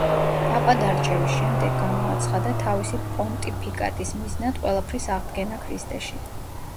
პაპად არჩევის შემდეგ გამოაცხადა თავისი პონტიფიკატის მიზნად „ყველაფრის აღდგენა ქრისტეში“.